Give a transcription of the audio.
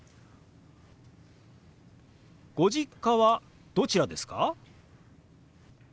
ご実家はどちらですか？